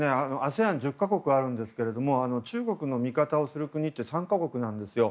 今、ＡＳＥＡＮ１０か国あるんですけど中国の味方をする国って３か国なんですよ。